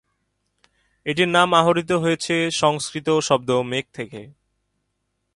এটির নাম আহরিত হয়েছে সংস্কৃত শব্দ মেঘ থেকে।